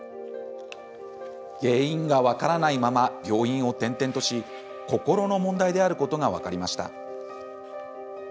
原因が分からないまま病院を転々とし心の問題であることが分かりました。